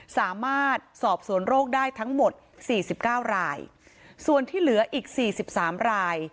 สามารถสอบสวนโรคได้ทั้งหมดสี่สิบเก้ารายส่วนที่เหลืออีกสี่สิบสามราย